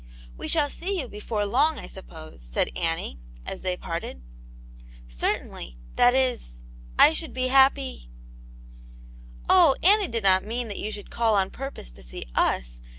'• We shall see you before long, I suppose," said Annie, as they parted. " Certainly ; that is — I should be happy "" Oh ! Annie did not mean that you should call on purpose to see us.